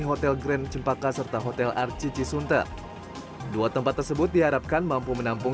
hotel grand cempaka serta hotel arcici sunter dua tempat tersebut diharapkan mampu menampung